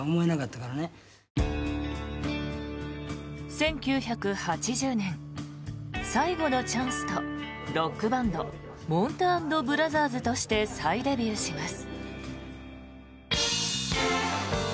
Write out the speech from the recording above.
１９８０年、最後のチャンスとロックバンドもんた＆ブラザーズとして再デビューします。